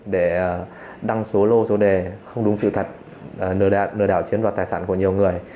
để đăng số lô số đề không đúng sự thật lừa đảo chiếm đoạt tài sản của nhiều người